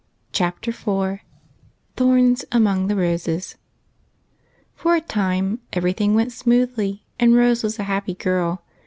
Chapter 4 THORNS AMONG THE ROSES For a time everything went smoothly, and Rose was a happy girl.